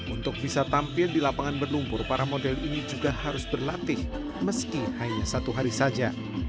untuk bisa tampil di lapangan berlumpur para model ini juga harus berlatih meski hanya satu hari saja